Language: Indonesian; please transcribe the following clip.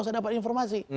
saya dapat informasi